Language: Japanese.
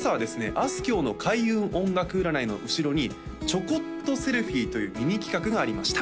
あすきょうの開運音楽占いの後ろにちょこっとセルフィーというミニ企画がありました